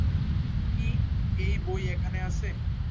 কী, এই বই এখানে আছে?